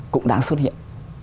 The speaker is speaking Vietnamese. cũng đáng xuất hiện